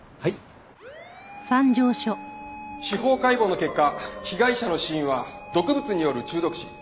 司法解剖の結果被害者の死因は毒物による中毒死。